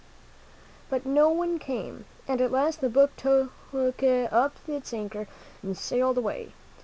But no one came, and at last the boat took up its anchor and sailed away.